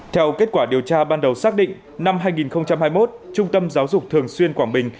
theo kết quả điều tra ban đầu xác định năm hai nghìn hai mươi một trung tâm giáo dục thường xuyên quảng bình